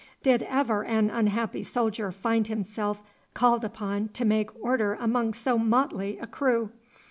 Did ever an unhappy soldier find himself called upon to make order among so motley a crew!